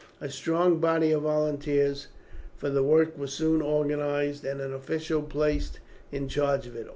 A strong body of volunteers for the work was soon organized, and an official placed in charge of it.